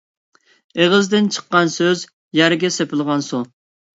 ئېغىزدىن چىققان سۆز – يەرگە سېپىلگەن سۇ.